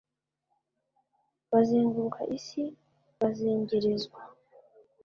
Bazenguruka isi bazengerezwa